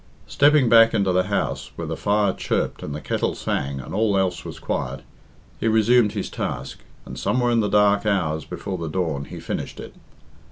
Stepping back into the house, where the fire chirped and the kettle sang and all else was quiet, he resumed his task, and somewhere in the dark hours before the dawn he finished it.